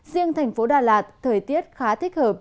riêng thành phố đà lạt thời tiết khá thích hợp